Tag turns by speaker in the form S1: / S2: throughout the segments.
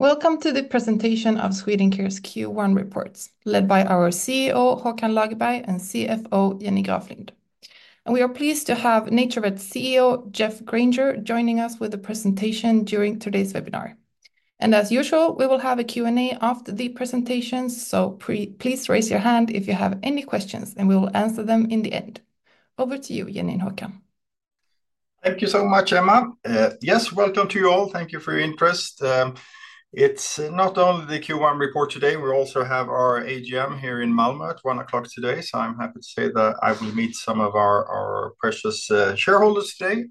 S1: Welcome to the presentation of Swedencare's Q1 reports, led by our CEO Håkan Lagerberg and CFO Jenny Graflind. We are pleased to have NaturVet's CEO Geoff Granger joining us with the presentation during today's webinar. As usual, we will have a Q&A after the presentations, so please raise your hand if you have any questions, and we will answer them in the end. Over to you, Jenny and Håkan.
S2: Thank you so much, Emma. Yes, welcome to you all. Thank you for your interest. It's not only the Q1 report today. We also have our AGM here in Malmö at 1:00 P.M. today, so I'm happy to say that I will meet some of our precious shareholders today.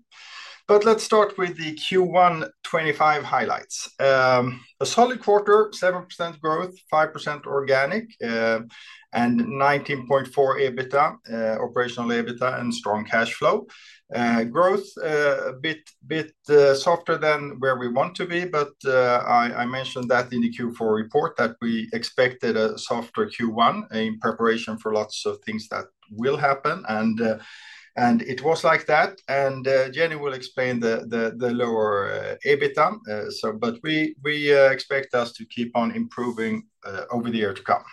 S2: Let's start with the Q1 2025 highlights. A solid quarter, 7% growth, 5% organic, and 19.4% EBITDA, operational EBITDA, and strong cash flow. Growth a bit softer than where we want to be, but I mentioned that in the Q4 report that we expected a softer Q1 in preparation for lots of things that will happen, and it was like that. Jenny will explain the lower EBITDA, but we expect us to keep on improving over the year to come.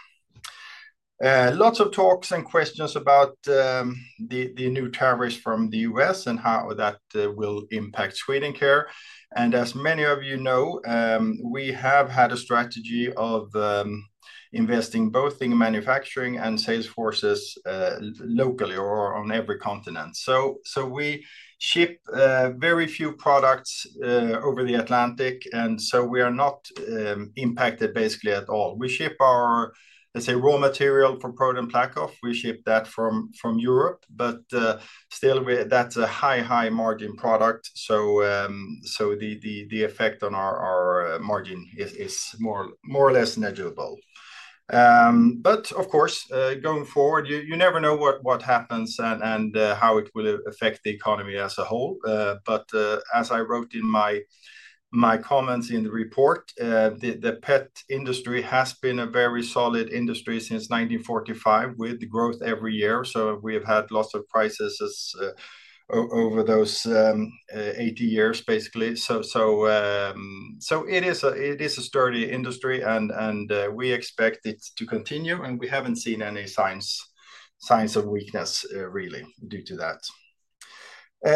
S2: Lots of talks and questions about the new tariffs from the U.S. and how that will impact Swedencare. As many of you know, we have had a strategy of investing both in manufacturing and sales forces locally or on every continent. We ship very few products over the Atlantic, and we are not impacted basically at all. We ship our, let's say, raw material for ProDen PlaqueOff. We ship that from Europe, but still that's a high, high margin product. The effect on our margin is more or less negligible. Of course, going forward, you never know what happens and how it will affect the economy as a whole. As I wrote in my comments in the report, the pet industry has been a very solid industry since 1945 with growth every year. We have had lots of crises over those 80 years, basically. It is a sturdy industry, and we expect it to continue, and we have not seen any signs of weakness really due to that.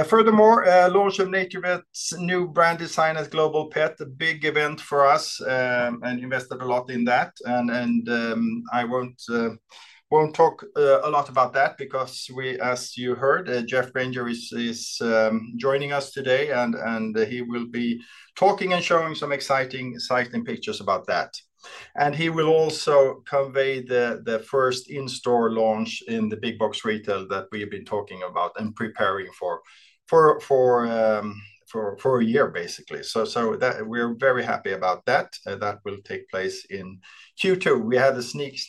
S2: Furthermore, launch of NaturVet's new brand design as Global Pet, a big event for us, and invested a lot in that. I will not talk a lot about that because, as you heard, Geoff Granger is joining us today, and he will be talking and showing some exciting, sighting pictures about that. He will also convey the first in-store launch in the big box retail that we have been talking about and preparing for a year, basically. We are very happy about that. That will take place in Q2. We had a sneak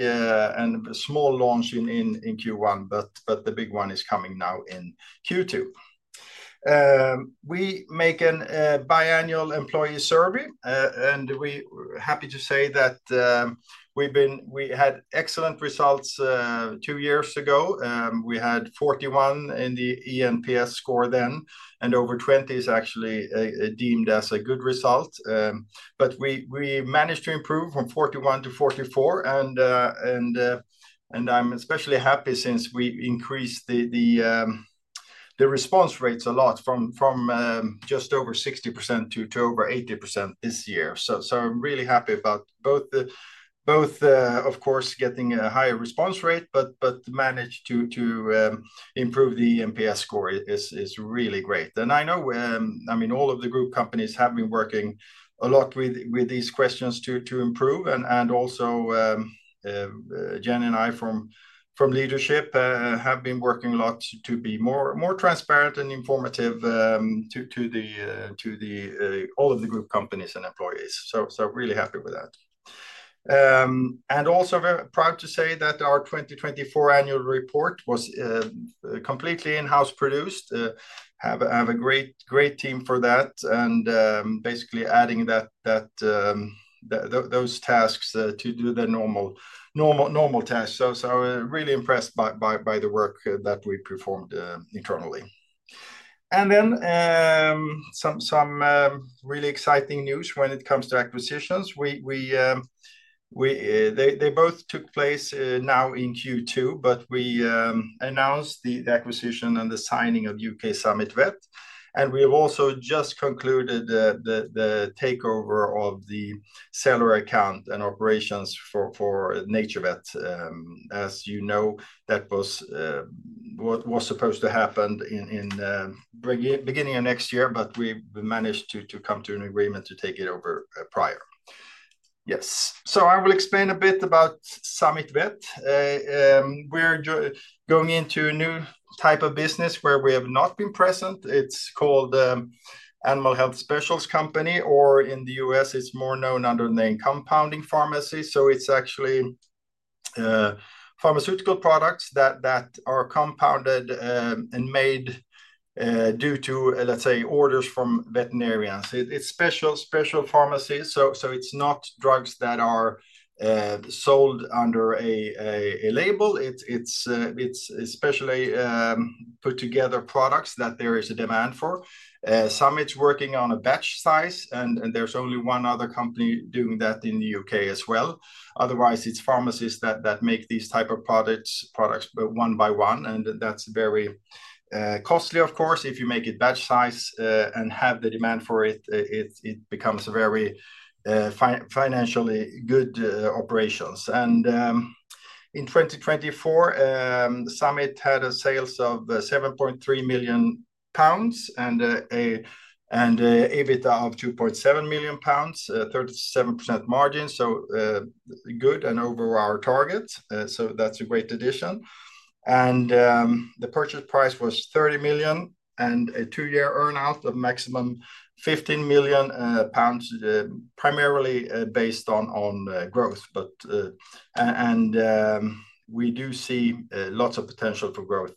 S2: and small launch in Q1, but the big one is coming now in Q2. We make a biannual employee survey, and we're happy to say that we had excellent results two years ago. We had 41 in the eNPS score then, and over 20 is actually deemed as a good result. We managed to improve from 41 to 44, and I'm especially happy since we increased the response rates a lot from just over 60% to over 80% this year. I'm really happy about both, of course, getting a higher response rate, but managed to improve the eNPS score is really great. I know, I mean, all of the group companies have been working a lot with these questions to improve, and also Jenny and I from leadership have been working a lot to be more transparent and informative to all of the group companies and employees. Really happy with that. And also I'm proud to say that our 2024 Annual Report was completely in-house produced. We have a great team for that, and basically added those tasks to the normal tasks. I am really impressed by the work that we performed internally. There is some really exciting news when it comes to acquisitions. They both took place now in Q2, but we announced the acquisition and the signing of U.K. Summit Vet, and we have also just concluded the takeover of the seller account and operations for NaturVet. As you know, that was supposed to happen in the beginning of next year, but we managed to come to an agreement to take it over prior. Yes. I will explain a bit about Summit Vet. We are going into a new type of business where we have not been present. It's called animal health specials company, or in the U.S., it's more known under the name compounding pharmacy. It's actually pharmaceutical products that are compounded and made due to, let's say, orders from veterinarians. It's special pharmacies, so it's not drugs that are sold under a label. It's specially put together products that there is a demand for. Summit's working on a batch size, and there's only one other company doing that in the U.K. as well. Otherwise, it's pharmacies that make these types of products one by one, and that's very costly, of course. If you make it batch size and have the demand for it, it becomes a very financially good operation. In 2024, Summit had a sales of 7.3 million pounds and an EBITDA of 2.7 million pounds, 37% margin, so good and over our target. That's a great addition. The purchase price was 30 million and a two-year earn-out of maximum 15 million pounds, primarily based on growth. We do see lots of potential for growth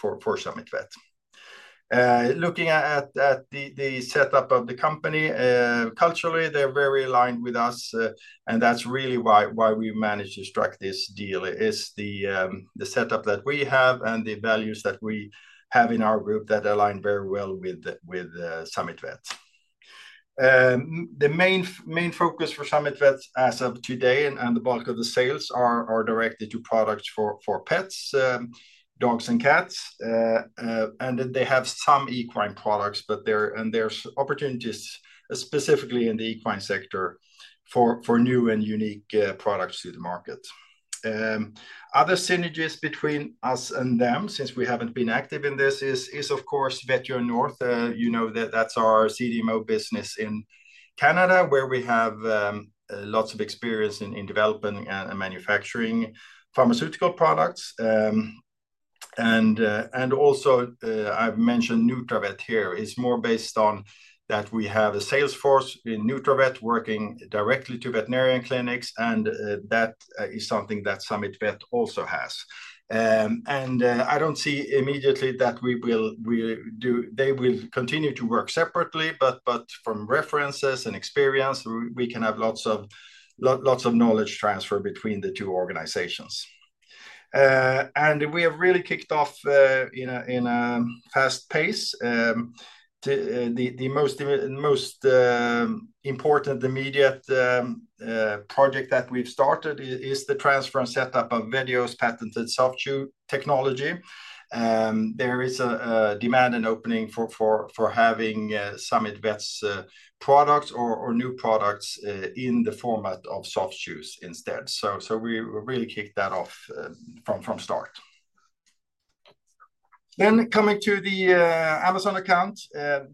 S2: for Summit Vet. Looking at the setup of the company, culturally, they're very aligned with us, and that's really why we managed to strike this deal. It's the setup that we have and the values that we have in our group that align very well with Summit Vet. The main focus for Summit Vet as of today and the bulk of the sales are directed to products for pets, dogs, and cats. They have some equine products, and there's opportunities specifically in the equine sector for new and unique products to the market. Other synergies between us and them, since we haven't been active in this, is of course Vetio North. You know that's our CDMO business in Canada, where we have lots of experience in developing and manufacturing pharmaceutical products. Also, I've mentioned NutraVet here. It's more based on that we have a sales force in NutraVet working directly to veterinarian clinics, and that is something that Summit Vet also has. I don't see immediately that they will continue to work separately, but from references and experience, we can have lots of knowledge transfer between the two organizations. We have really kicked off in a fast pace. The most important immediate project that we've started is the transfer and setup of Vetio's patented soft chew technology. There is a demand and opening for having Summit Vet's products or new products in the format of soft chews instead. We really kicked that off from start. Coming to the Amazon account,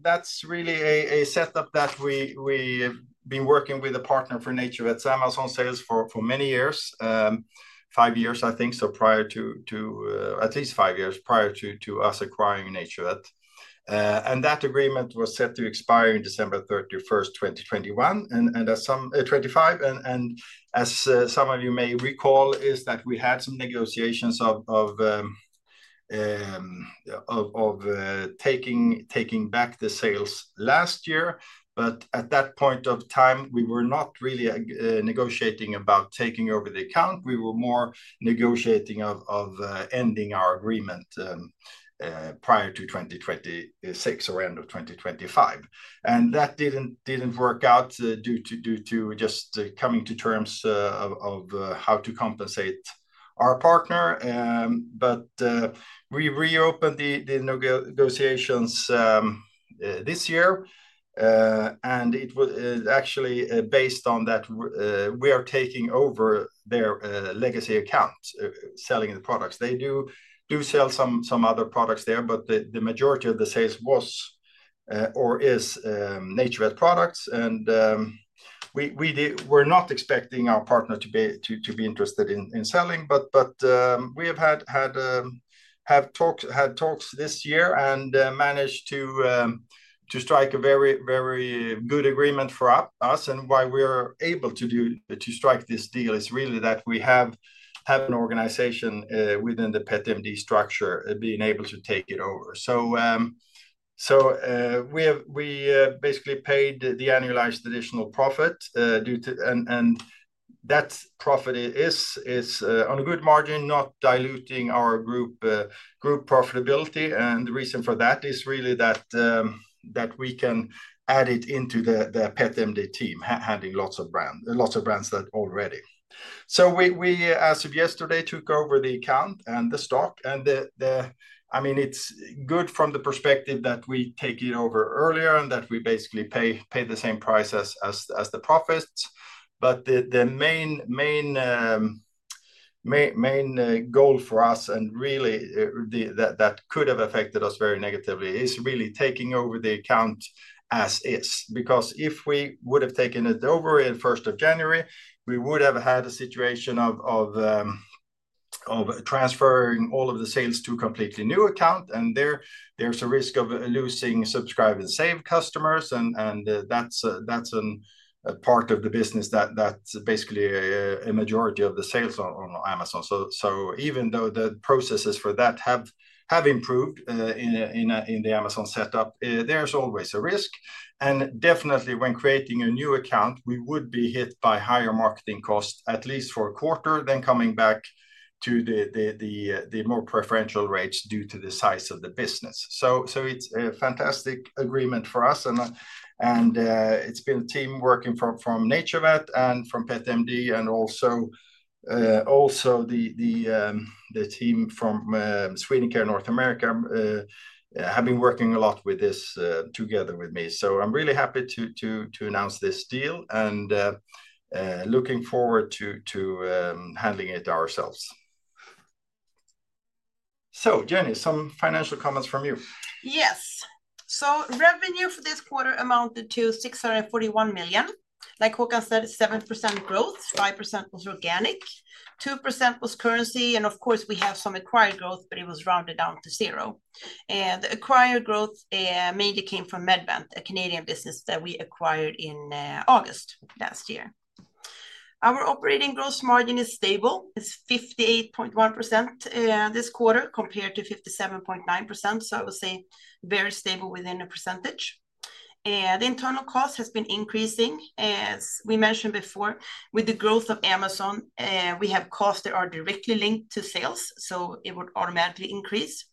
S2: that's really a setup that we've been working with a partner for NaturVet's Amazon sales for many years, five years, I think, so at least five years prior to us acquiring NaturVet. That agreement was set to expire on 31 December2021, and as some of you may recall, we had some negotiations of taking back the sales last year, but at that point of time, we were not really negotiating about taking over the account. We were more negotiating of ending our agreement prior to 2026 or end of 2025. That didn't work out due to just coming to terms of how to compensate our partner. We reopened the negotiations this year, and it was actually based on that we are taking over their legacy account, selling the products. They do sell some other products there, but the majority of the sales was or is NaturVet products. We were not expecting our partner to be interested in selling, but we have had talks this year and managed to strike a very good agreement for us. Why we are able to strike this deal is really that we have an organization within the Pet MD structure being able to take it over. We basically paid the annualized additional profit, and that profit is on a good margin, not diluting our group profitability. The reason for that is really that we can add it into the Pet MD team, handling lots of brands already. We, as of yesterday, took over the account and the stock. I mean, it's good from the perspective that we take it over earlier and that we basically pay the same price as the profits. The main goal for us, and really that could have affected us very negatively, is really taking over the account as is. If we would have taken it over in 1 January 2025, we would have had a situation of transferring all of the sales to a completely new account, and there's a risk of losing Subscribe & Save customers. That's a part of the business that's basically a majority of the sales on Amazon. Even though the processes for that have improved in the Amazon setup, there's always a risk. Definitely, when creating a new account, we would be hit by higher marketing costs, at least for a quarter, then coming back to the more preferential rates due to the size of the business. It is a fantastic agreement for us, and it has been a team working from NaturVet and from Pet MD, and also the team from Swedencare North America have been working a lot with this together with me. I am really happy to announce this deal and looking forward to handling it ourselves. Jenny, some financial comments from you.
S3: Yes. Revenue for this quarter amounted to 641 million. Like Håkan said, 7% growth, 5% was organic, 2% was currency, and of course, we have some acquired growth, but it was rounded down to zero. The acquired growth mainly came from MedVant, a Canadian business that we acquired in August last year. Our operating gross margin is stable. It's 58.1% this quarter compared to 57.9%. I would say very stable within a percentage. The internal cost has been increasing. As we mentioned before, with the growth of Amazon, we have costs that are directly linked to sales, so it would automatically increase.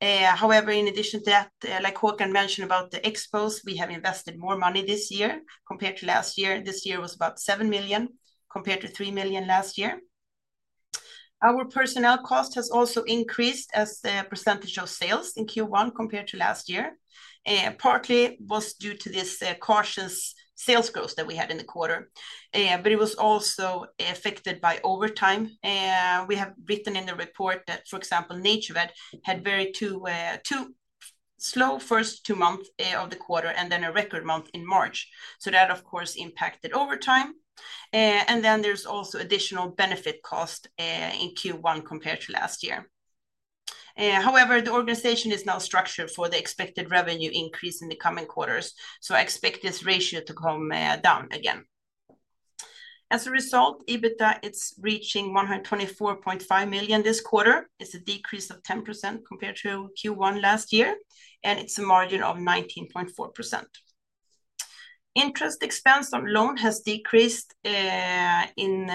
S3: However, in addition to that, like Håkan mentioned about the expos, we have invested more money this year compared to last year. This year was about 7 million compared to 3 million last year. Our personnel cost has also increased as a percentage of sales in Q1 compared to last year. Partly was due to this cautious sales growth that we had in the quarter, but it was also affected by overtime. We have written in the report that, for example, NaturVet had very slow first two months of the quarter and then a record month in March. That, of course, impacted overtime. There is also additional benefit cost in Q1 compared to last year. However, the organization is now structured for the expected revenue increase in the coming quarters. I expect this ratio to come down again. As a result, EBITDA is reaching 124.5 million this quarter. It is a decrease of 10% compared to Q1 last year, and it is a margin of 19.4%. Interest expense on loan has decreased. In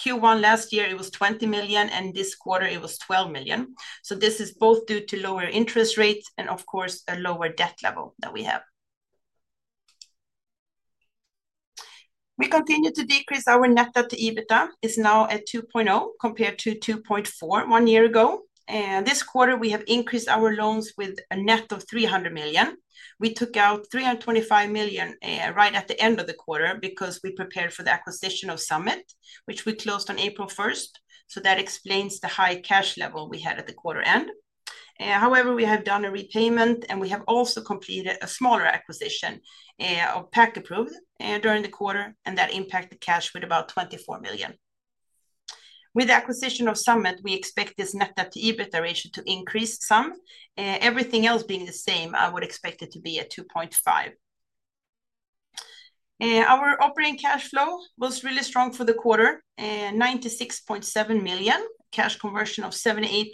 S3: Q1 last year, it was 20 million, and this quarter, it was 12 million. This is both due to lower interest rates and, of course, a lower debt level that we have. We continue to decrease our net debt to EBITDA. It is now at 2.0 compared to 2.4 one year ago. This quarter, we have increased our loans with a net of 300 million. We took out 325 million right at the end of the quarter because we prepared for the acquisition of Summit, which we closed on 1 April 2025. That explains the high cash level we had at the quarter end. However, we have done a repayment, and we have also completed a smaller acquisition of Pack Approved during the quarter, and that impacted cash with about 24 million. With the acquisition of Summit, we expect this net debt to EBITDA ratio to increase some. Everything else being the same, I would expect it to be at 2.5. Our operating cash flow was really strong for the quarter, 96.7 million, cash conversion of 78%,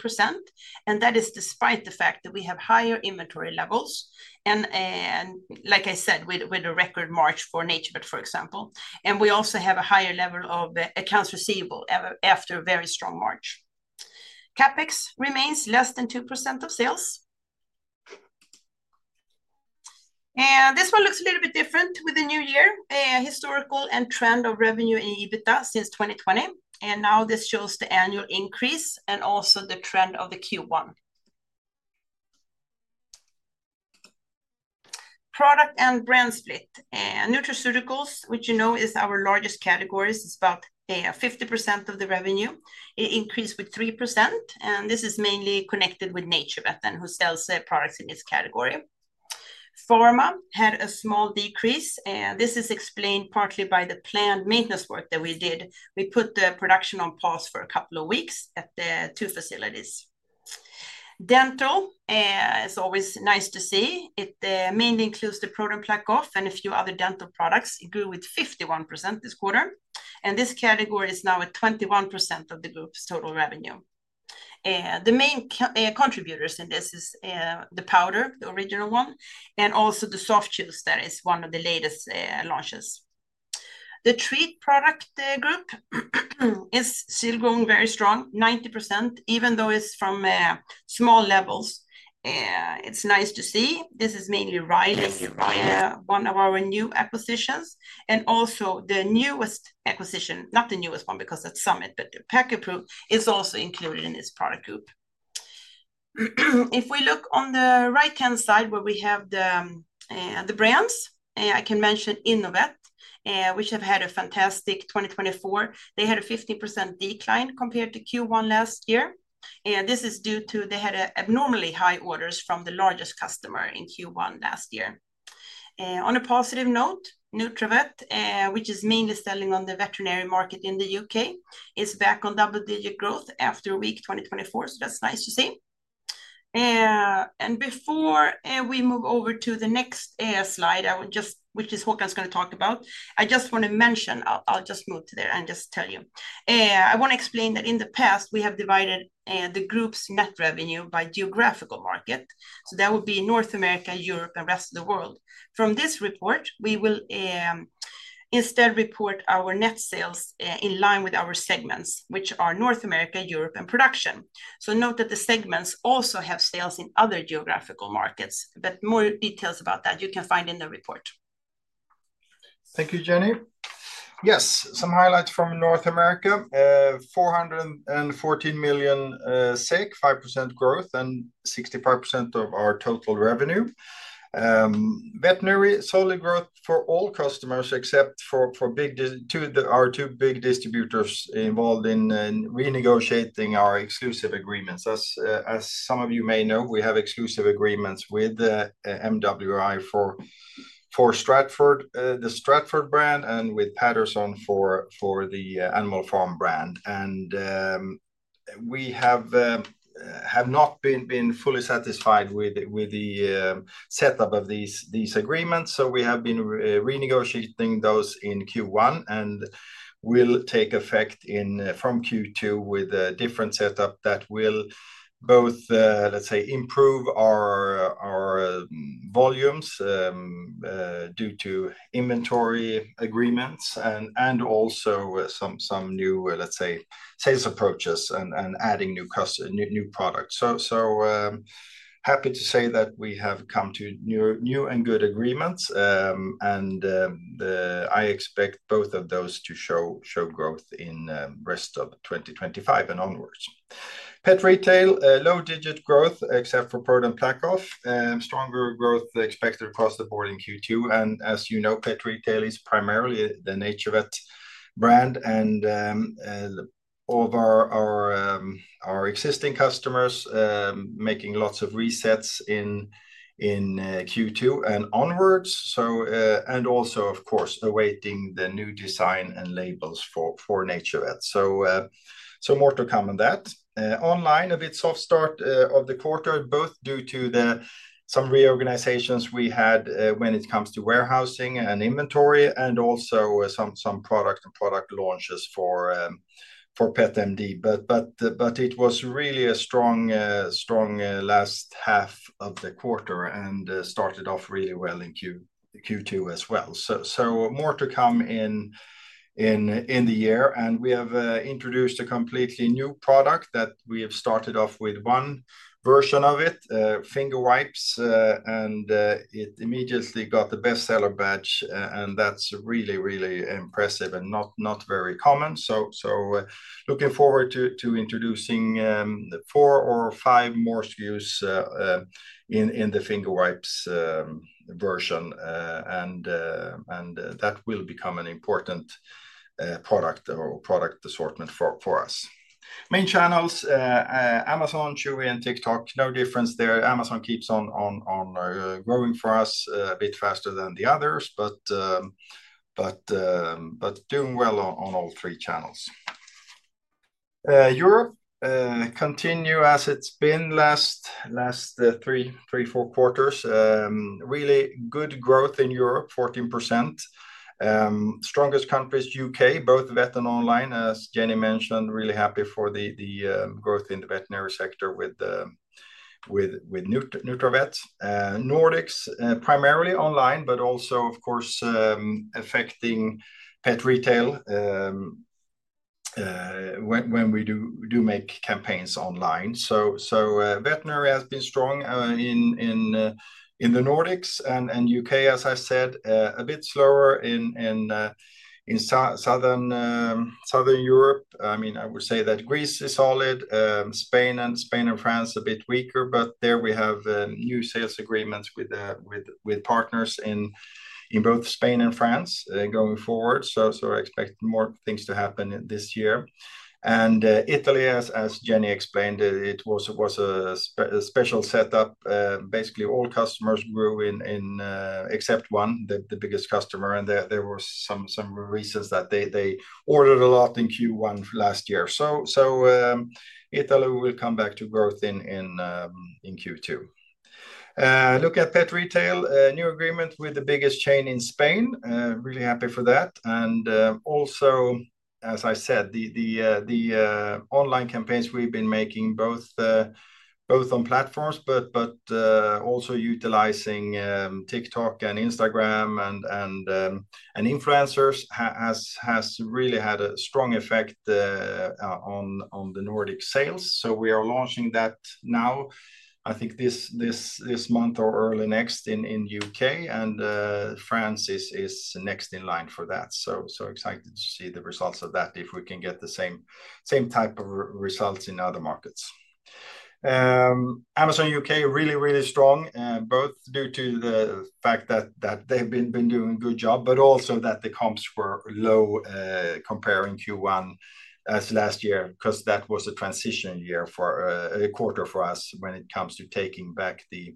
S3: and that is despite the fact that we have higher inventory levels. Like I said, with a record March for NaturVet, for example. We also have a higher level of accounts receivable after a very strong March. CAPEX remains less than 2% of sales. This one looks a little bit different with the new year, historical and trend of revenue and EBITDA since 2020. Now this shows the annual increase and also the trend of the Q1. Product and brand split. Nutraceuticals, which you know is our largest category, is about 50% of the revenue. It increased with 3%, and this is mainly connected with NaturVet then who sells products in this category. Pharma had a small decrease. This is explained partly by the planned maintenance work that we did. We put the production on pause for a couple of weeks at two facilities. Dental is always nice to see. It mainly includes the ProDen PlaqueOff and a few other dental products. It grew with 51% this quarter. This category is now at 21% of the group's total revenue. The main contributors in this is the powder, the original one, and also the soft chews that is one of the latest launches. The treat product group is still growing very strong, 90%, even though it's from small levels. It's nice to see. This is mainly Riley, one of our new acquisitions. And also, the newest acquisition, not the newest one because that's Summit, but Pack Approved is also included in this product group. If we look on the right-hand side where we have the brands, I can mention Innovet, which have had a fantastic 2024. They had a 15% decline compared to Q1 last year. This is due to they had abnormally high orders from the largest customer in Q1 last year. On a positive note, NutraVet, which is mainly selling on the veterinary market in the U.K., is back on double-digit growth after a weak 2024. That is nice to see. Before we move over to the next slide, which Håkan is going to talk about, I just want to mention, I will just move to there and just tell you. I want to explain that in the past, we have divided the group's net revenue by geographical market. That would be North America, Europe, and rest of the world. From this report, we will instead report our net sales in line with our segments, which are North America, Europe, and production. Note that the segments also have sales in other geographical markets, but more details about that you can find in the report.
S2: Thank you, Jenny. Yes, some highlights from North America. 414 million SEK, 5% growth, and 65% of our total revenue. Veterinary solid growth for all customers except for our two big distributors involved in renegotiating our exclusive agreements. As some of you may know, we have exclusive agreements with MWI for the Stratford brand, and with Patterson for the Animal Pharm brand. We have not been fully satisfied with the setup of these agreements. We have been renegotiating those in Q1 and they will take effect from Q2 with a different setup that will both, let's say, improve our volumes due to inventory agreements and also some new, let's say, sales approaches and adding new products. Happy to say that we have come to new and good agreements, and I expect both of those to show growth in the rest of 2025 and onwards. Pet retail, low-digit growth except for ProDen PlaqueOff. Stronger growth expected across the board in Q2. As you know, pet retail is primarily the NaturVet brand, and all of our existing customers making lots of resets in Q2 and onwards. Of course, awaiting the new design and labels for NaturVet. More to come on that. Online, a bit soft start of the quarter, both due to some reorganizations we had when it comes to warehousing and inventory, and also some product and product launches for Pet MD. It was really a strong last half of the quarter and started off really well in Q2 as well. More to come in the year. We have introduced a completely new product that we have started off with one version of it, finger wipes, and it immediately got the bestseller badge, and that's really, really impressive and not very common. Looking forward to introducing four or five more SKUs in the finger wipes version, and that will become an important product or product assortment for us. Main channels, Amazon, Chewy, and TikTok, no difference there. Amazon keeps on growing for us a bit faster than the others, but doing well on all three channels. Europe continue as it's been last three, four quarters. Really good growth in Europe, 14%. Strongest countries, U.K., both vet and online, as Jenny mentioned, really happy for the growth in the veterinary sector with NutraVet. Nordics, primarily online, but also, of course, affecting pet retail when we do make campaigns online. Veterinary has been strong in the Nordics and U.K., as I said, a bit slower in Southern Europe. I mean, I would say that Greece is solid, Spain and France a bit weaker, but there we have new sales agreements with partners in both Spain and France going forward. I expect more things to happen this year. Italy, as Jenny explained, it was a special setup. Basically, all customers grew except one, the biggest customer. There were some reasons that they ordered a lot in Q1 last year. Italy will come back to growth in Q2. Look at pet retail, new agreement with the biggest chain in Spain. Really happy for that. Also, as I said, the online campaigns we've been making both on platforms, but also utilizing TikTok and Instagram and influencers has really had a strong effect on the Nordic sales. We are launching that now, I think this month or early next in the U.K., and France is next in line for that. Excited to see the results of that if we can get the same type of results in other markets. Amazon U.K., really, really strong, both due to the fact that they've been doing a good job, but also that the comps were low comparing Q1 as last year because that was a transition year for a quarter for us when it comes to taking back the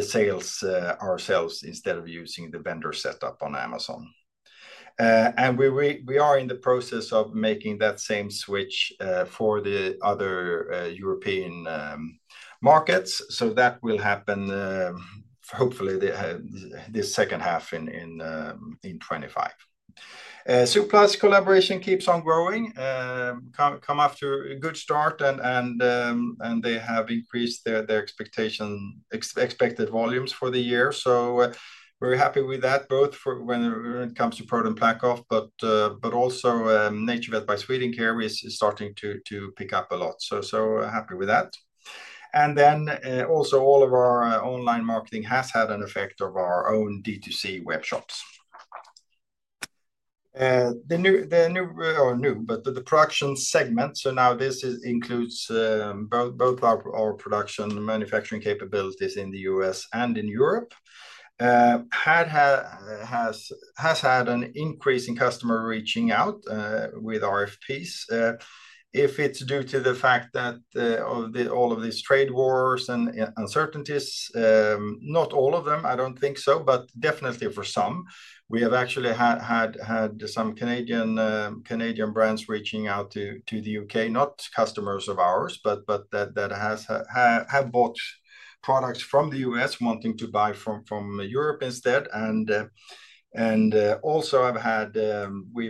S2: sales ourselves instead of using the vendor setup on Amazon. We are in the process of making that same switch for the other European markets. That will happen, hopefully, this second half in 2025. Zooplus collaboration keeps on growing. Come after a good start, and they have increased their expected volumes for the year. We're happy with that, both when it comes to ProDen PlaqueOff, but also NaturVet by Swedencare is starting to pick up a lot. Happy with that. Also, all of our online marketing has had an effect on our own D2C webshops. The new, or new, but the production segment, so now this includes both our production manufacturing capabilities in the U.S. and in Europe, has had an increase in customers reaching out with RFPs. If it's due to the fact that all of these trade wars and uncertainties, not all of them, I don't think so, but definitely for some. We have actually had some Canadian brands reaching out to the U.K., not customers of ours, but that have bought products from the U.S., wanting to buy from Europe instead. We have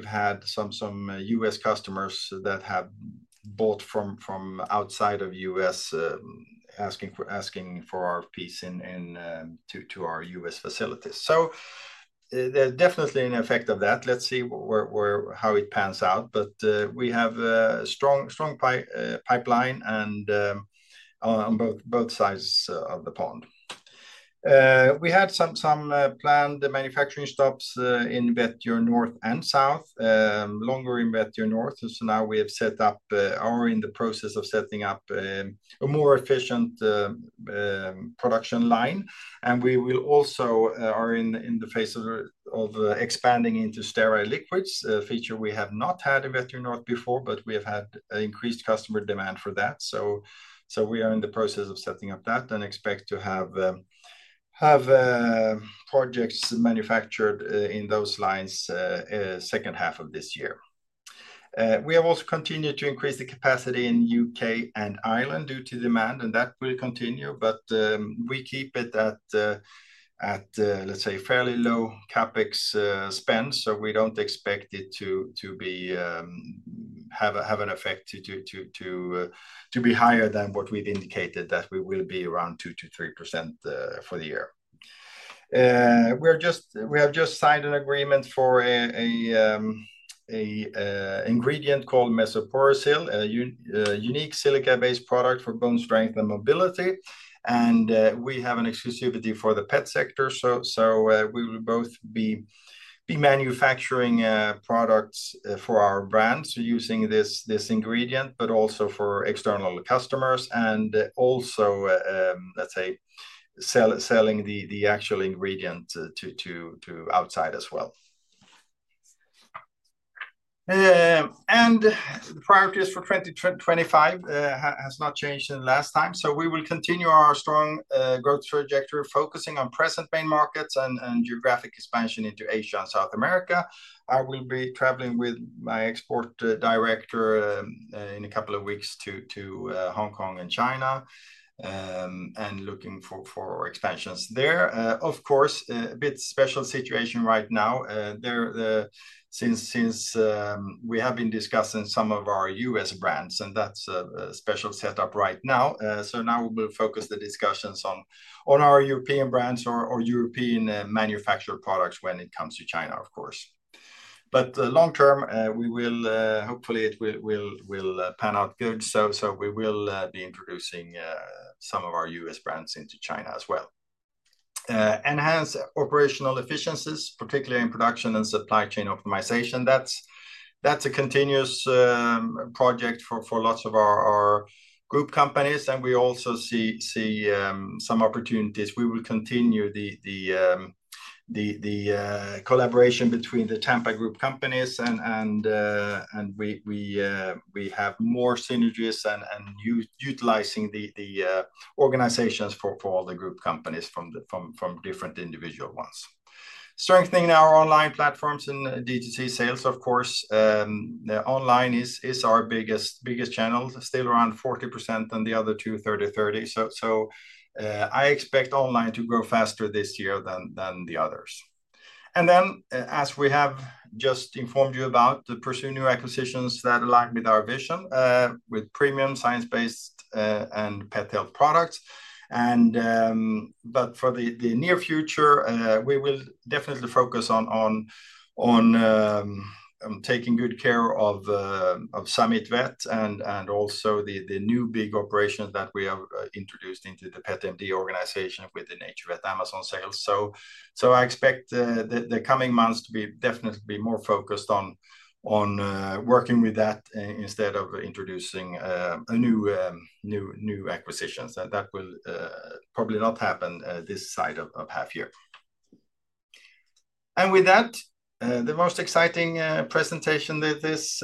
S2: had some U.S. customers that have bought from outside of the U.S. asking for RFPs to our U.S. facilities. There is definitely an effect of that. Let's see how it pans out, but we have a strong pipeline on both sides of the pond. We had some planned manufacturing stops in Vetio North and South, longer in Vetio North. We are in the process of setting up a more efficient production line. We are also in the phase of expanding into steroid liquids, a feature we have not had in Vetio North before, but we have had increased customer demand for that. We are in the process of setting up that and expect to have projects manufactured in those lines second half of this year. We have also continued to increase the capacity in the U.K. and Ireland due to demand, and that will continue, but we keep it at, let's say, fairly low CAPEX spend. We do not expect it to have an effect to be higher than what we've indicated that we will be around 2% to 3% for the year. We have just signed an agreement for an ingredient called Mesoporosil, a unique silica-based product for bone strength and mobility. We have an exclusivity for the pet sector. We will both be manufacturing products for our brands using this ingredient, but also for external customers and also, let's say, selling the actual ingredient to outside as well. The priorities for 2025 have not changed since last time. We will continue our strong growth trajectory, focusing on present main markets and geographic expansion into Asia and South America. I will be traveling with my export director in a couple of weeks to Hong Kong and China and looking for expansions there. Of course, a bit special situation right now. Since we have been discussing some of our U.S. brands, and that's a special setup right now. Now we will focus the discussions on our European brands or European manufactured products when it comes to China, of course. Long term, hopefully, it will pan out good. We will be introducing some of our U.S. brands into China as well. Enhance operational efficiencies, particularly in production and supply chain optimization. That's a continuous project for lots of our group companies. We also see some opportunities. We will continue the collaboration between the Tampa Group companies, and we have more synergies and utilizing the organizations for all the group companies from different individual ones. Strengthening our online platforms and D2C sales, of course. Online is our biggest channel, still around 40% and the other two, 30%, 30.% I expect online to grow faster this year than the others. As we have just informed you about, to pursue new acquisitions that align with our vision, with premium science-based and pet health products. For the near future, we will definitely focus on taking good care of Summit Vet and also the new big operations that we have introduced into the Pet MD organization with the NaturVet Amazon sales. I expect the coming months to be definitely more focused on working with that instead of introducing new acquisitions. That will probably not happen this side of half year. With that, the most exciting presentation this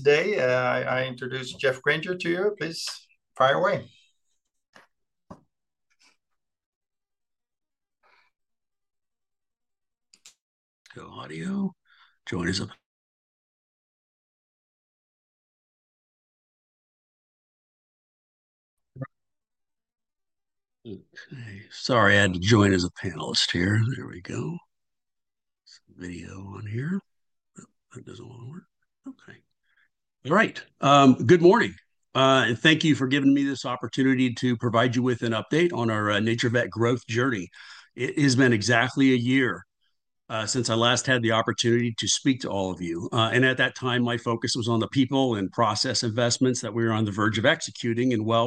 S2: day, I introduce Geoff Granger to you. Please fire away.
S4: Got audio. Join us. Okay. Sorry, I had to join as a panelist here. There we go. Some video on here. That does not want to work. Okay. All right. Good morning. Thank you for giving me this opportunity to provide you with an update on our NaturVet growth journey. It has been exactly a year since I last had the opportunity to speak to all of you. At that time, my focus was on the people and process investments that we were on the verge of executing. We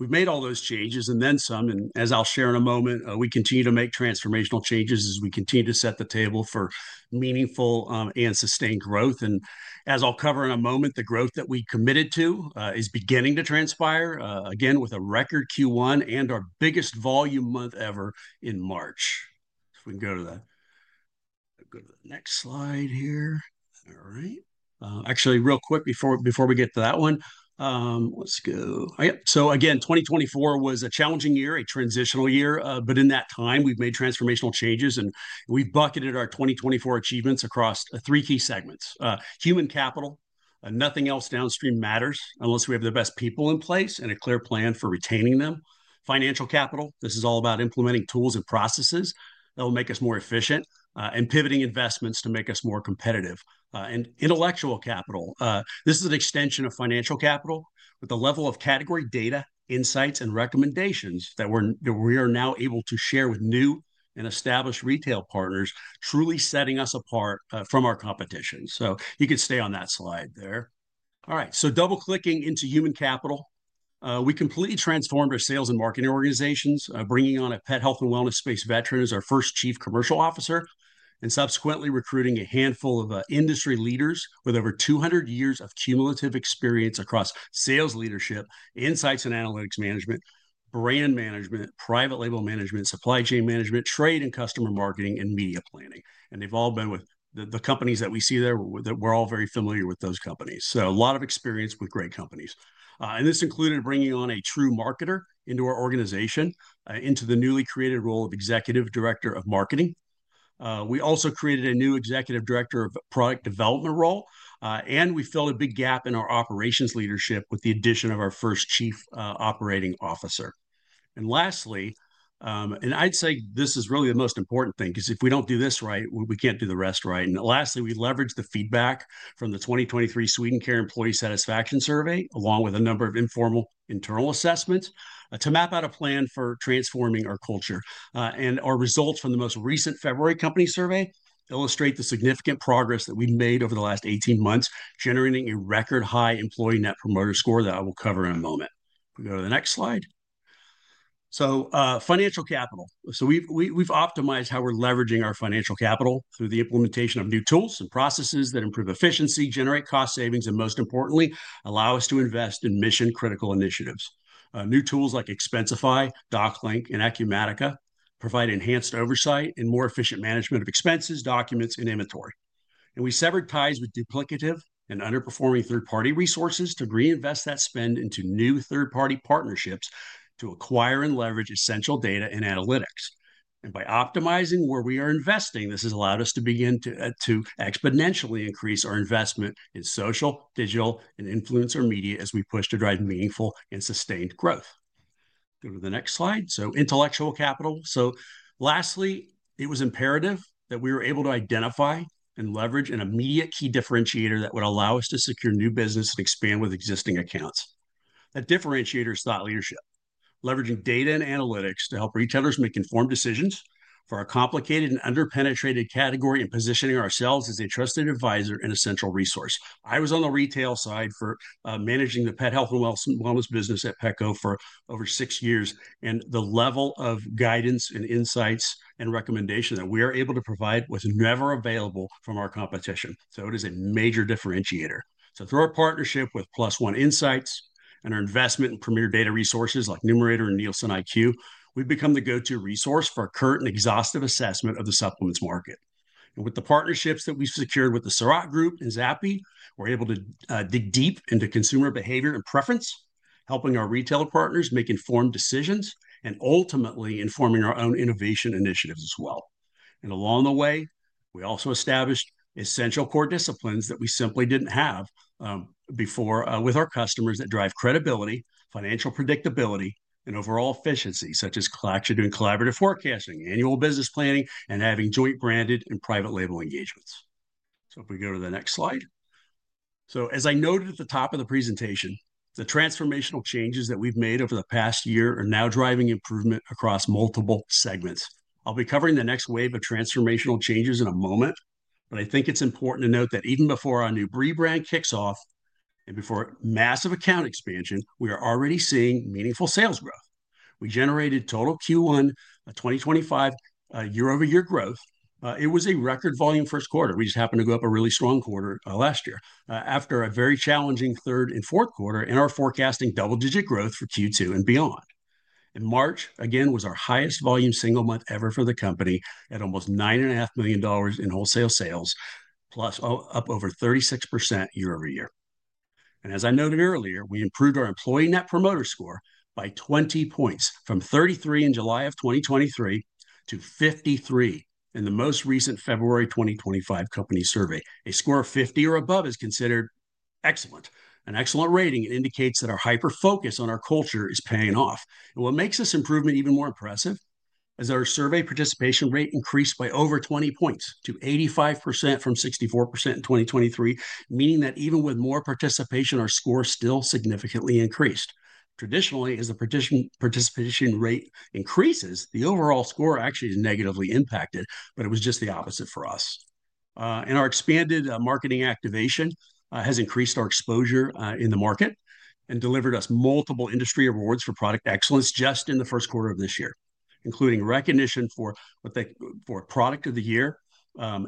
S4: have made all those changes and then some. As I will share in a moment, we continue to make transformational changes as we continue to set the table for meaningful and sustained growth. As I will cover in a moment, the growth that we committed to is beginning to transpire, again, with a record Q1 and our biggest volume month ever in March. We can go to that. Go to the next slide here. All right. Actually, real quick before we get to that one, let's go. Yep. Again, 2024 was a challenging year, a transitional year. In that time, we've made transformational changes, and we've bucketed our 2024 achievements across three key segments: human capital, nothing else downstream matters unless we have the best people in place and a clear plan for retaining them; financial capital, this is all about implementing tools and processes that will make us more efficient; and pivoting investments to make us more competitive; and intellectual capital. This is an extension of financial capital, but the level of category data, insights, and recommendations that we are now able to share with new and established retail partners truly setting us apart from our competition. You can stay on that slide there. All right. Double-clicking into human capital, we completely transformed our sales and marketing organizations, bringing on a pet health and wellness space veteran as our first Chief Commercial Officer, and subsequently recruiting a handful of industry leaders with over 200 years of cumulative experience across sales leadership, insights and analytics management, brand management, private label management, supply chain management, trade and customer marketing, and media planning. They have all been with the companies that we see there, that we are all very familiar with those companies. A lot of experience with great companies. This included bringing on a true marketer into our organization, into the newly created role of Executive Director of Marketing. We also created a new Executive Director of Product Development role, and we filled a big gap in our operations leadership with the addition of our first Chief Operating Officer. Lastly, and I'd say this is really the most important thing because if we don't do this right, we can't do the rest right. Lastly, we leveraged the feedback from the 2023 Swedencare employee satisfaction survey, along with a number of informal internal assessments, to map out a plan for transforming our culture. Our results from the most recent February company survey illustrate the significant progress that we've made over the last 18 months, generating a record high employee net promoter score that I will cover in a moment. We go to the next slide. Financial capital. We've optimized how we're leveraging our financial capital through the implementation of new tools and processes that improve efficiency, generate cost savings, and most importantly, allow us to invest in mission-critical initiatives. New tools like Expensify, DocLink, and Acumatica provide enhanced oversight and more efficient management of expenses, documents, and inventory. We severed ties with duplicative and underperforming third-party resources to reinvest that spend into new third-party partnerships to acquire and leverage essential data and analytics. By optimizing where we are investing, this has allowed us to begin to exponentially increase our investment in social, digital, and influencer media as we push to drive meaningful and sustained growth. Go to the next slide. Intellectual capital. Lastly, it was imperative that we were able to identify and leverage an immediate key differentiator that would allow us to secure new business and expand with existing accounts. That differentiator is thought leadership, leveraging data and analytics to help retailers make informed decisions for our complicated and underpenetrated category and positioning ourselves as a trusted advisor and essential resource. I was on the retail side for managing the pet health and wellness business at Petco for over six years, and the level of guidance and insights and recommendation that we are able to provide was never available from our competition. It is a major differentiator. Through our partnership with Plus One Insights and our investment in premier data resources like Numerator and NielsenIQ, we've become the go-to resource for current and exhaustive assessment of the supplements market. With the partnerships that we've secured with the Sirak Group and Zappi, we're able to dig deep into consumer behavior and preference, helping our retail partners make informed decisions and ultimately informing our own innovation initiatives as well. Along the way, we also established essential core disciplines that we simply did not have before with our customers that drive credibility, financial predictability, and overall efficiency, such as collaborative forecasting, annual business planning, and having joint branded and private label engagements. If we go to the next slide. As I noted at the top of the presentation, the transformational changes that we have made over the past year are now driving improvement across multiple segments. I will be covering the next wave of transformational changes in a moment, but I think it is important to note that even before our new rebrand kicks off and before massive account expansion, we are already seeing meaningful sales growth. We generated total Q1 of 2025 year-over-year growth. It was a record volume Q1. We just happened to go up a really strong quarter last year after a very challenging Q3 and Q4 in our forecasting double-digit growth for Q2 and beyond. In March, again, was our highest volume single month ever for the company at almost $9.5 million in wholesale sales, plus up over 36% year-over-year. As I noted earlier, we improved our employee net promoter score by 20 points, from 33 July of 2023 to 53 points in the most recent February 2025 company survey. A score of 50 or above is considered excellent. An excellent rating indicates that our hyper-focus on our culture is paying off. What makes this improvement even more impressive is our survey participation rate increased by over 20 points to 85% from 64% in 2023, meaning that even with more participation, our score still significantly increased. Traditionally, as the participation rate increases, the overall score actually is negatively impacted, but it was just the opposite for us. Our expanded marketing activation has increased our exposure in the market and delivered us multiple industry awards for product excellence just in the Q1 of this year, including recognition for Product of the Year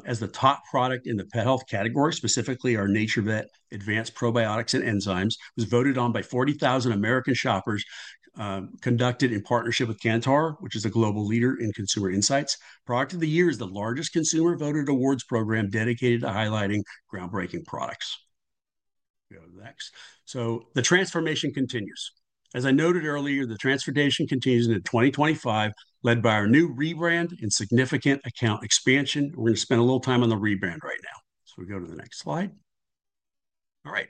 S4: as the top product in the pet health category, specifically our NaturVet Advanced Probiotics and Enzymes, was voted on by 40,000 American shoppers conducted in partnership with Kantar, which is a global leader in consumer insights. Product of the year is the largest consumer-voted awards program dedicated to highlighting groundbreaking products. Go to the next. The transformation continues. As I noted earlier, the transformation continues into 2025, led by our new rebrand and significant account expansion. We're going to spend a little time on the rebrand right now. We go to the next slide. All right.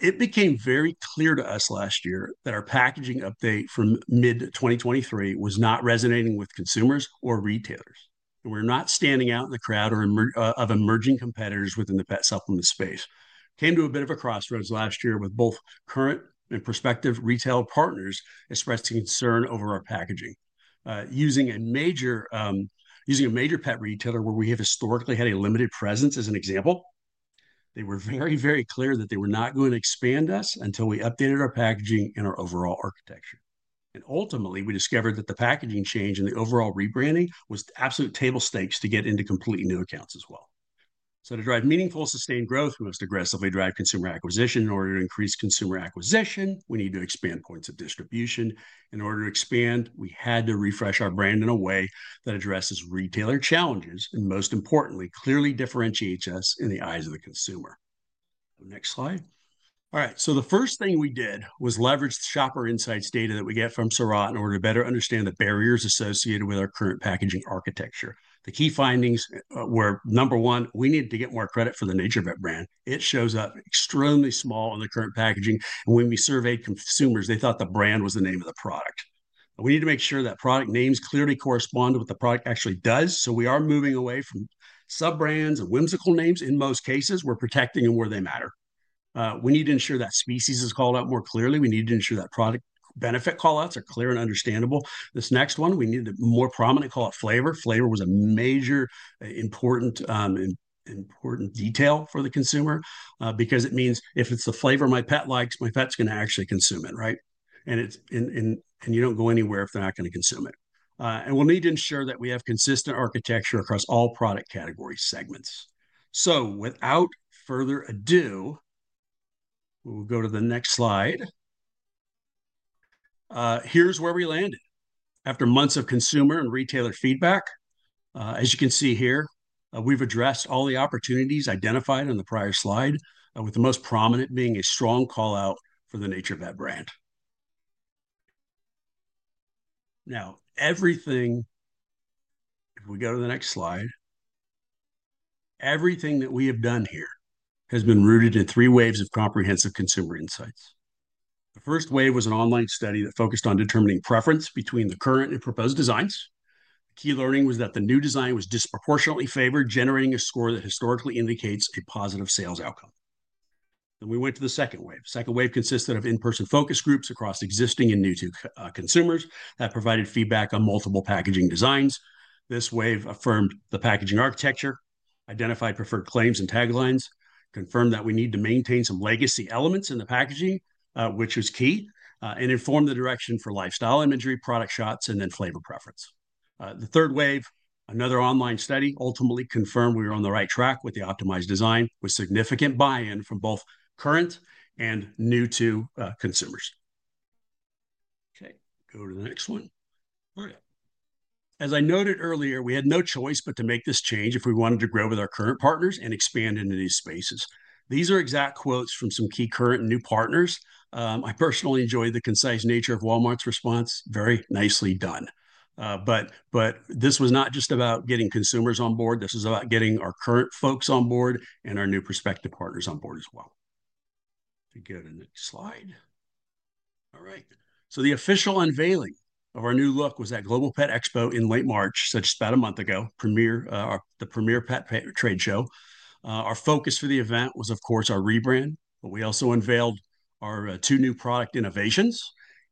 S4: It became very clear to us last year that our packaging update from mid-2023 was not resonating with consumers or retailers. We were not standing out in the crowd of emerging competitors within the pet supplement space. We came to a bit of a crossroads last year with both current and prospective retail partners expressing concern over our packaging. Using a major pet retailer where we have historically had a limited presence as an example, they were very, very clear that they were not going to expand us until we updated our packaging and our overall architecture. Ultimately, we discovered that the packaging change and the overall rebranding was absolute table stakes to get into completely new accounts as well. To drive meaningful, sustained growth, we must aggressively drive consumer acquisition. In order to increase consumer acquisition, we need to expand points of distribution. In order to expand, we had to refresh our brand in a way that addresses retailer challenges and, most importantly, clearly differentiates us in the eyes of the consumer. Next slide. All right. The first thing we did was leverage the shopper insights data that we get from Sirak in order to better understand the barriers associated with our current packaging architecture. The key findings were, number one, we needed to get more credit for the NaturVet brand. It shows up extremely small on the current packaging. When we surveyed consumers, they thought the brand was the name of the product. We need to make sure that product names clearly correspond with what the product actually does. We are moving away from sub-brands and whimsical names. In most cases, we're protecting them where they matter. We need to ensure that species is called out more clearly. We need to ensure that product benefit callouts are clear and understandable. This next one, we need a more prominent callout, flavor. Flavor was a major important detail for the consumer because it means if it's the flavor my pet likes, my pet's going to actually consume it, right? You don't go anywhere if they're not going to consume it. We need to ensure that we have consistent architecture across all product category segments. Without further ado, we'll go to the next slide. Here's where we landed. After months of consumer and retailer feedback, as you can see here, we've addressed all the opportunities identified on the prior slide, with the most prominent being a strong callout for the NaturVet brand. Now, everything if we go to the next slide, everything that we have done here has been rooted in three waves of comprehensive consumer insights. The first wave was an online study that focused on determining preference between the current and proposed designs. Key learning was that the new design was disproportionately favored, generating a score that historically indicates a positive sales outcome. We went to the second wave. The second wave consisted of in-person focus groups across existing and new consumers that provided feedback on multiple packaging designs. This wave affirmed the packaging architecture, identified preferred claims and taglines, confirmed that we need to maintain some legacy elements in the packaging, which was key, and informed the direction for lifestyle imagery, product shots, and then flavor preference. The third wave, another online study, ultimately confirmed we were on the right track with the optimized design, with significant buy-in from both current and new to consumers. Okay. Go to the next one. All right. As I noted earlier, we had no choice but to make this change if we wanted to grow with our current partners and expand into these spaces. These are exact quotes from some key current and new partners. I personally enjoyed the concise nature of Walmart's response. Very nicely done. This was not just about getting consumers on board. This was about getting our current folks on board and our new prospective partners on board as well. We go to the next slide. All right. The official unveiling of our new look was at Global Pet Expo in late March, such as about a month ago, the premier pet trade show. Our focus for the event was, of course, our rebrand, but we also unveiled our two new product innovations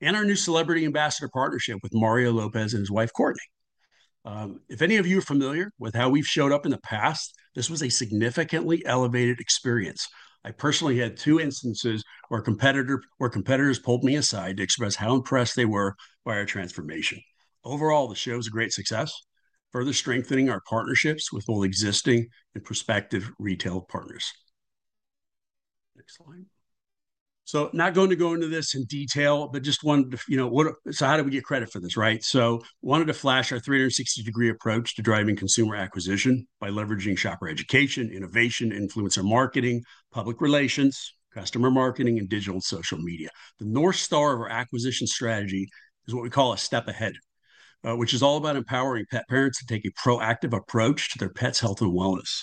S4: and our new celebrity ambassador partnership with Mario Lopez and his wife, Courtney. If any of you are familiar with how we've showed up in the past, this was a significantly elevated experience. I personally had two instances where competitors pulled me aside to express how impressed they were by our transformation. Overall, the show was a great success, further strengthening our partnerships with both existing and prospective retail partners. Next slide. I am not going to go into this in detail, but just wanted to, you know, so how do we get credit for this, right? I wanted to flash our 360-degree approach to driving consumer acquisition by leveraging shopper education, innovation, influencer marketing, public relations, customer marketing, and digital social media. The North Star of our acquisition strategy is what we call A Step Ahead, which is all about empowering pet parents to take a proactive approach to their pet's health and wellness,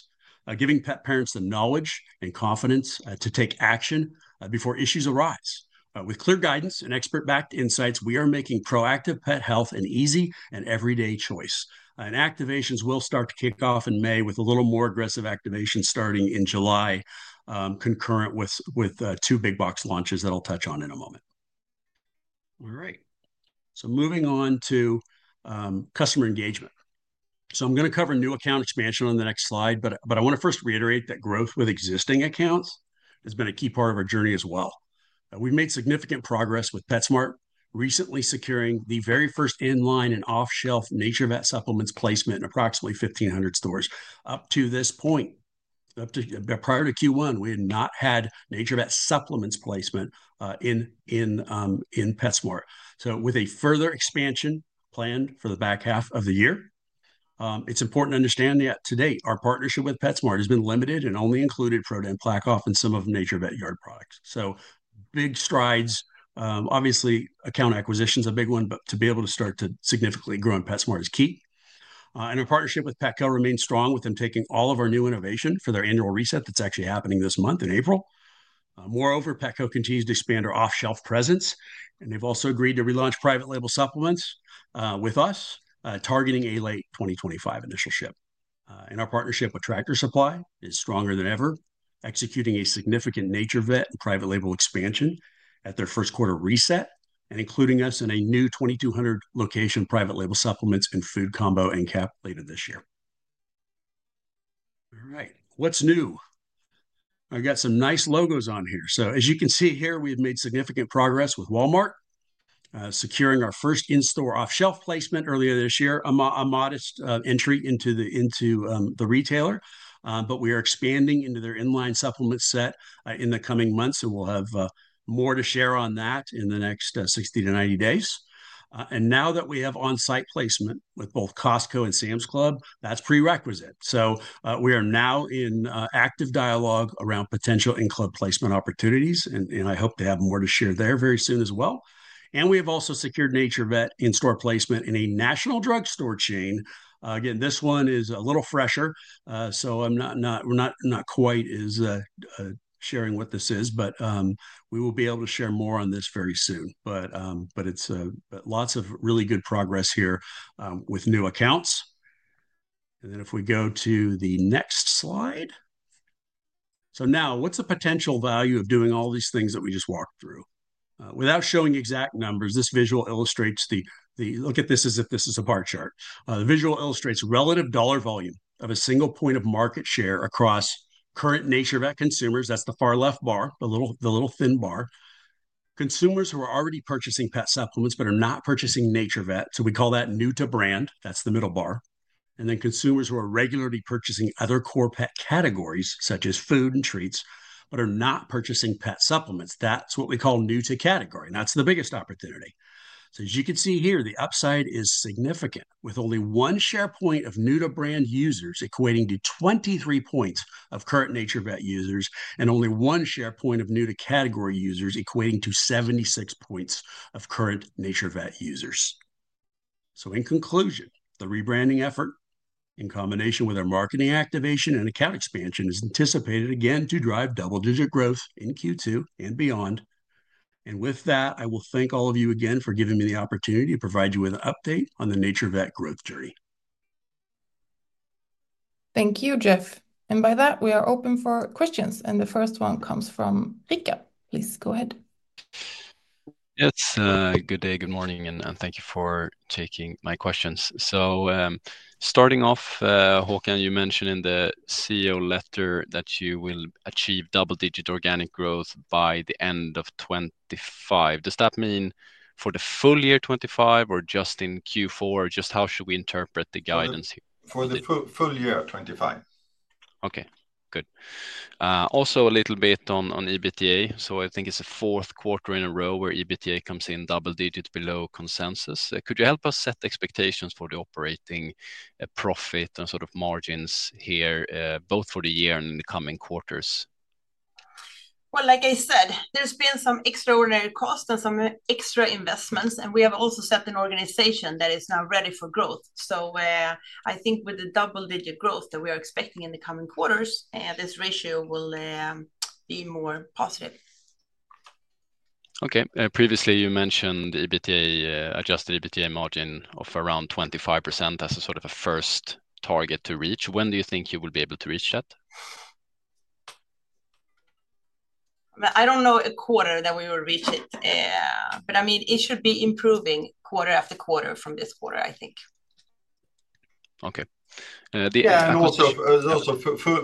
S4: giving pet parents the knowledge and confidence to take action before issues arise. With clear guidance and expert-backed insights, we are making proactive pet health an easy and everyday choice. Activations will start to kick off in May with a little more aggressive activation starting in July, concurrent with two big box launches that I'll touch on in a moment. All right. Moving on to customer engagement. I'm going to cover new account expansion on the next slide, but I want to first reiterate that growth with existing accounts has been a key part of our journey as well. We've made significant progress with PetSmart, recently securing the very first inline and off-shelf NaturVet supplements placement in approximately 1,500 stores. Up to this point, prior to Q1, we had not had NaturVet supplements placement in PetSmart. With a further expansion planned for the back half of the year, it's important to understand that to date, our partnership with PetSmart has been limited and only included ProDen PlaqueOff and some of NaturVet yard products. Big strides. Obviously, account acquisition is a big one, but to be able to start to significantly grow in PetSmart is key. Our partnership with Petco remains strong with them taking all of our new innovation for their annual reset that's actually happening this month in April. Moreover, Petco continues to expand our off-shelf presence, and they've also agreed to relaunch private label supplements with us, targeting a late 2025 initial ship. Our partnership with Tractor Supply is stronger than ever, executing a significant NaturVet and private label expansion at their Q1 reset and including us in a new 2,200 location private label supplements and food combo in cap later this year. All right. What's new? I got some nice logos on here. As you can see here, we have made significant progress with Walmart, securing our first in-store off-shelf placement earlier this year, a modest entry into the retailer. We are expanding into their inline supplement set in the coming months, and we'll have more to share on that in the next 60 to 90 days. Now that we have on-site placement with both Costco and Sam's Club, that's prerequisite. We are now in active dialogue around potential in-club placement opportunities, and I hope to have more to share there very soon as well. We have also secured NaturVet in-store placement in a national drugstore chain. This one is a little fresher, so we're not quite as sharing what this is, but we will be able to share more on this very soon. It's lots of really good progress here with new accounts. If we go to the next slide. Now, what's the potential value of doing all these things that we just walked through? Without showing exact numbers, this visual illustrates the look at this as if this is a bar chart. The visual illustrates relative dollar volume of a single point of market share across current NaturVet consumers. That's the far left bar, the little thin bar. Consumers who are already purchasing pet supplements but are not purchasing NaturVet, so we call that new to brand. That's the middle bar. Consumers who are regularly purchasing other core pet categories, such as food and treats, but are not purchasing pet supplements, that's what we call new to category. That is the biggest opportunity. As you can see here, the upside is significant, with only one share point of new to brand users equating to 23 points of current NaturVet users and only one share point of new to category users equating to 76 points of current NaturVet users. In conclusion, the rebranding effort, in combination with our marketing activation and account expansion, is anticipated again to drive double-digit growth in Q2 and beyond. I will thank all of you again for giving me the opportunity to provide you with an update on the NaturVet growth journey.
S1: Thank you, Geoff. By that, we are open for questions. The first one comes from Rick. Please go ahead. Yes. Good day, good morning, and thank you for taking my questions. Starting off, Håkan, you mentioned in the CEO letter that you will achieve double-digit organic growth by the end of 2025. Does that mean for the full year 2025 or just in Q4? Just how should we interpret the guidance here?
S2: For the full year 2025. Okay. Good. Also a little bit on EBITDA. I think it is a Q4 in a row where EBITDA comes in double digits below consensus. Could you help us set expectations for the operating profit and sort of margins here, both for the year and in the coming quarters?
S3: Like I said, there have been some extraordinary costs and some extra investments, and we have also set an organization that is now ready for growth. I think with the double-digit growth that we are expecting in the coming quarters, this ratio will be more positive. Okay. Previously, you mentioned adjusted EBITDA margin of around 25% as a sort of a first target to reach. When do you think you will be able to reach that? I don't know a quarter that we will reach it, but I mean, it should be improving quarter-after-quarter from this quarter, I think. Okay.
S2: Also,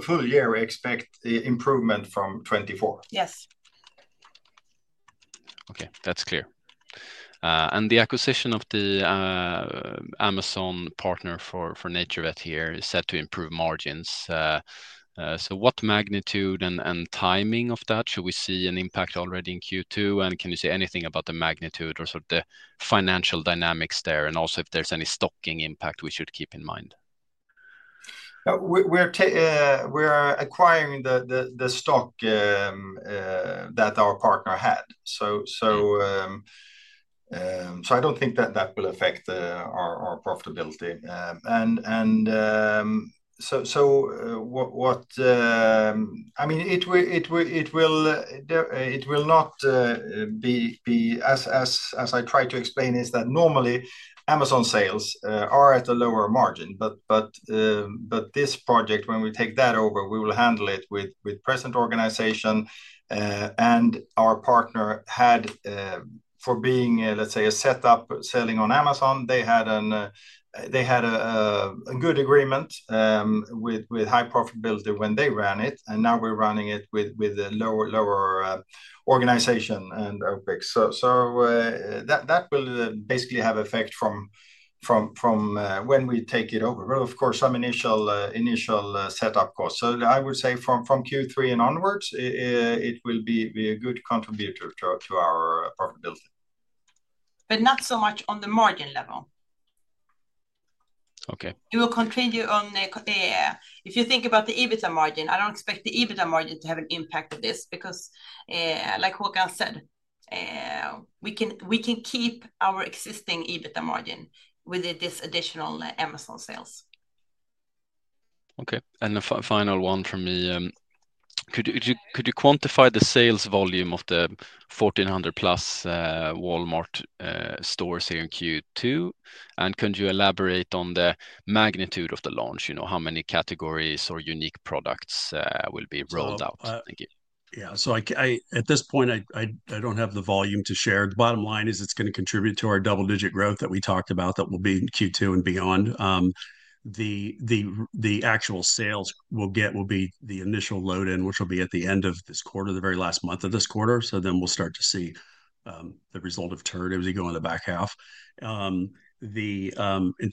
S2: full year, we expect improvement from 2024.
S3: Yes. Okay. That's clear. The acquisition of the Amazon partner for NaturVet here is said to improve margins. What magnitude and timing of that? Should we see an impact already in Q2? Can you say anything about the magnitude or sort of the financial dynamics there? Also, if there's any stocking impact we should keep in mind?
S2: We're acquiring the stock that our partner had. I don't think that that will affect our profitability. What I mean, it will not be as I try to explain, is that normally Amazon sales are at a lower margin, but this project, when we take that over, we will handle it with present organization. Our partner had, for being, let's say, a setup selling on Amazon, they had a good agreement with high profitability when they ran it. Now we're running it with a lower organization and OPEX. That will basically have effect from when we take it over. Of course, some initial setup costs. I would say from Q3 and onwards, it will be a good contributor to our profitability.
S3: But not so much on the margin level. Okay. We will continue on the if you think about the EBITDA margin, I do not expect the EBITDA margin to have an impact of this because, like Håkan said, we can keep our existing EBITDA margin with this additional Amazon sales. Okay. The final one for me, could you quantify the sales volume of the 1,400-plus Walmart stores here in Q2? Could you elaborate on the magnitude of the launch? How many categories or unique products will be rolled out? Thank you.
S4: Yeah. At this point, I do not have the volume to share. The bottom line is it is going to contribute to our double-digit growth that we talked about that will be in Q2 and beyond. The actual sales we will get will be the initial load-in, which will be at the end of this quarter, the very last month of this quarter. Then we'll start to see the result of turn. It will be going to the back half. In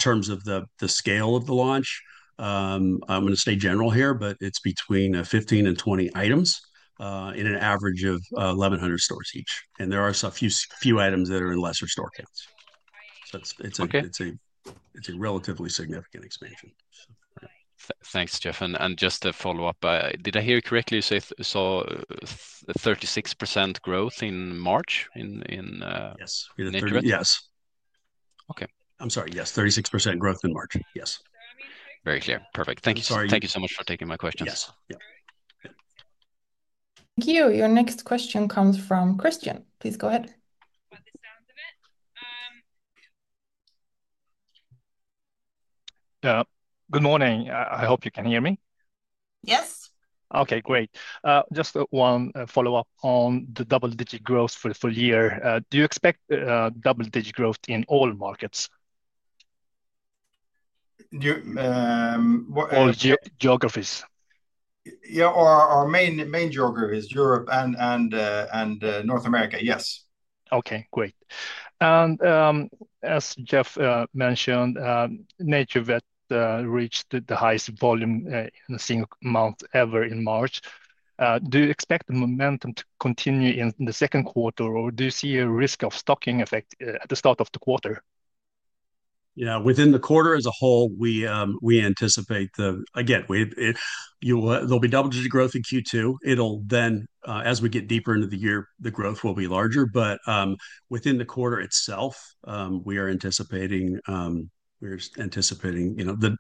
S4: terms of the scale of the launch, I'm going to stay general here, but it's between 15 and 20 items in an average of 1,100 stores each. There are a few items that are in lesser store counts. It's a relatively significant expansion. Thanks, Geoff. Just to follow up, did I hear correctly? You saw 36% growth in March in NaturVet? Yes. Yes. Okay. I'm sorry. Yes. 36% growth in March. Yes. Very clear. Perfect. Thank you. Thank you so much for taking my questions. Yes. Thank you.
S1: Your next question comes from Christian. Please go ahead. Good morning. I hope you can hear me.
S3: Yes. Okay. Great. Just one follow-up on the double-digit growth for the full year. Do you expect double-digit growth in all markets? All geographies?
S2: Yeah. Our main geographies, Europe and North America. Yes. Okay. Great. As Geoff mentioned, NaturVet reached the highest volume in a single month ever in March. Do you expect the momentum to continue in the Q2, or do you see a risk of stocking effect at the start of the quarter?
S4: Yeah. Within the quarter as a whole, we anticipate again, there'll be double-digit growth in Q2. It will then, as we get deeper into the year, the growth will be larger. Within the quarter itself, we are anticipating the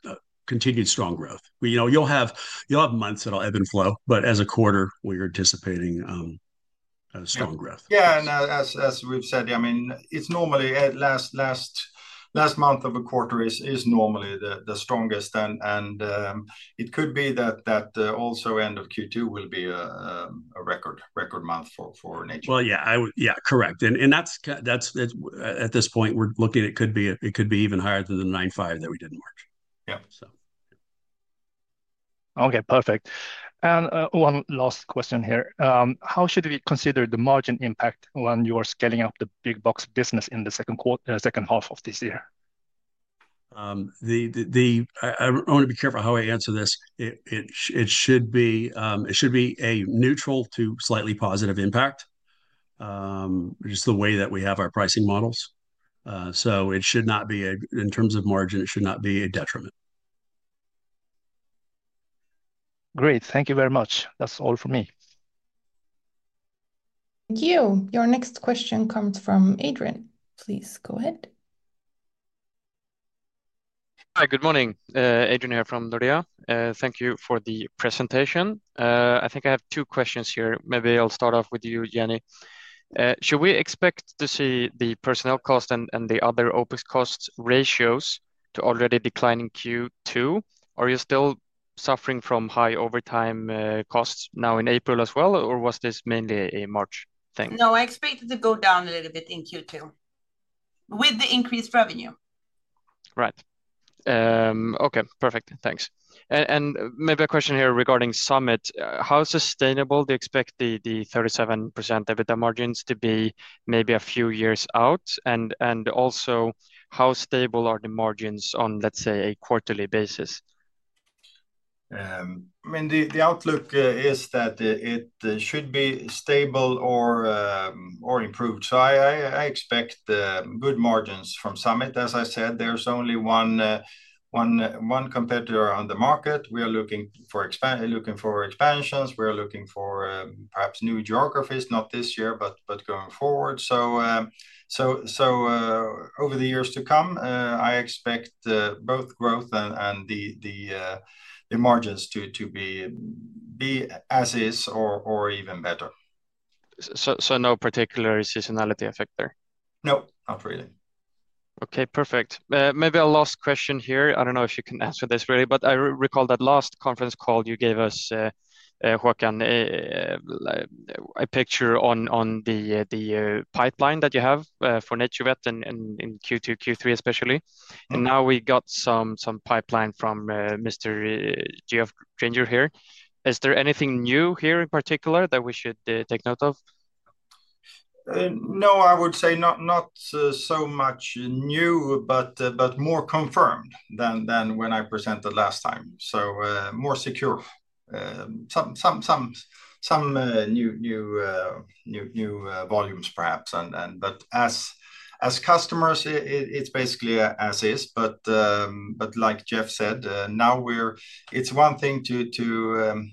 S4: continued strong growth. You'll have months that'll ebb and flow, but as a quarter, we are anticipating strong growth.
S2: Yeah. As we've said, I mean, it's normally last month of a quarter is normally the strongest. It could be that also end of Q2 will be a record month for NaturVet.
S4: Yeah. Yeah. Correct. At this point, we're looking at it could be even higher than the 9.5 that we did in March. Yeah. Okay. Perfect. One last question here. How should we consider the margin impact when you are scaling up the big box business in the second half of this year? I want to be careful how I answer this. It should be a neutral to slightly positive impact, just the way that we have our pricing models. It should not be a, in terms of margin, it should not be a detriment. Great. Thank you very much. That's all for me.
S1: Thank you. Your next question comes from Adrian. Please go ahead.
S5: Hi. Good morning. Adrian here from Nordea. Thank you for the presentation. I think I have two questions here. Maybe I'll start off with you, Jenny. Should we expect to see the personnel cost and the other OPEX cost ratios to already decline in Q2? Are you still suffering from high overtime costs now in April as well, or was this mainly a March thing?
S3: No, I expect it to go down a little bit in Q2 with the increased revenue.
S5: Right. Okay. Perfect. Thanks. Maybe a question here regarding Summit. How sustainable do you expect the 37% EBITDA margins to be maybe a few years out? Also, how stable are the margins on, let's say, a quarterly basis?
S4: I mean, the outlook is that it should be stable or improved. I expect good margins from Summit. As I said, there is only one competitor on the market. We are looking for expansions. We are looking for perhaps new geographies, not this year, but going forward. Over the years to come, I expect both growth and the margins to be as is or even better.
S5: No particular seasonality effect there?
S4: No, not really.
S5: Okay. Perfect. Maybe a last question here. I do not know if you can answer this really, but I recall that last conference call you gave us, Håkan, a picture on the pipeline that you have for NaturVet in Q2, Q3 especially. Now we got some pipeline from Mr. Geoff Granger here. Is there anything new here in particular that we should take note of?
S2: No, I would say not so much new, but more confirmed than when I presented last time. More secure. Some new volumes, perhaps. As customers, it is basically as is. Like Geoff said, now it's one thing to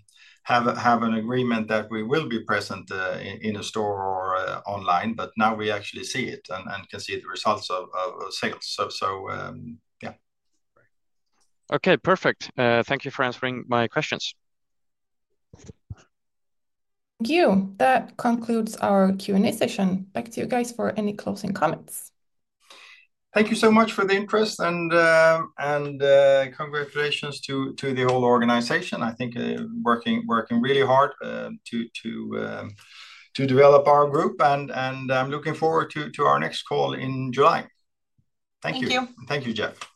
S2: have an agreement that we will be present in a store or online, but now we actually see it and can see the results of sales. Yeah.
S5: Okay. Perfect. Thank you for answering my questions.
S1: Thank you. That concludes our Q&A session. Back to you guys for any closing comments.
S2: Thank you so much for the interest and congratulations to the whole organization. I think working really hard to develop our group. I'm looking forward to our next call in July.
S3: Thank you.
S2: Thank you. Thank you, Geoff.